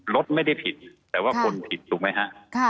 รถไม่ได้ผิดแต่ว่าคนผิดถูกไหมฮะ